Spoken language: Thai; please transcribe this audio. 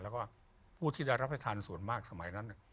แล้วก็ผู้ที่ได้รับประทานส่วนมากสมัยนั้น